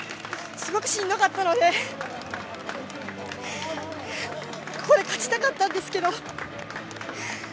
すごくしんどかったのでここで勝ちたかったんですけど。